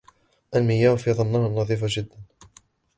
المياه في هذا النهر نظيفة جدا.